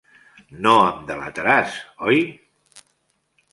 No em delataràs, oi?